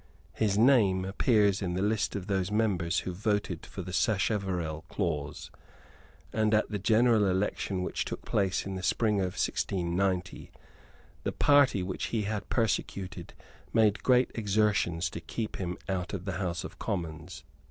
His name appears in the list of those members who voted for the Sacheverell clause; and, at the general election which took place in the spring of 1690, the party which he had persecuted made great exertions to keep him out of the House of Commons.